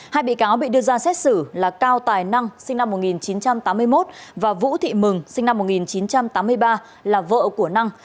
hai bị cáo bị đưa ra xét xử là cao tài năng sinh năm một nghìn chín trăm tám mươi một và vũ thị mừng sinh năm một nghìn chín trăm tám mươi ba là vợ của năng